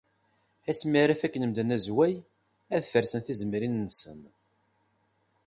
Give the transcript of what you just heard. Asmi ara fakken medden azway, ad fersen tizemrin-nsen.